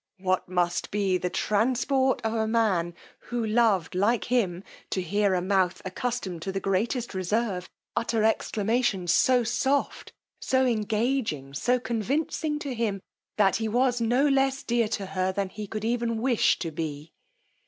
What must be the transport of a man, who loved like him, to hear a mouth accustomed to the greatest reserve, utter exclamations so soft, so engaging, so convincing to him that he was no less dear to her than he could even wish to be!